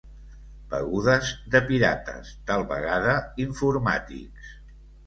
Begudes de pirates, tal vegada informàtics.